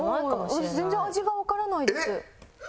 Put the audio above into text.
私全然味がわからないです。